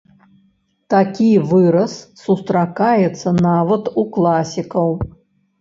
Такі выраз сустракаецца нават у класікаў.